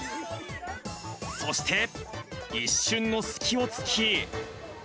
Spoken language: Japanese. そして、一瞬の隙をつき。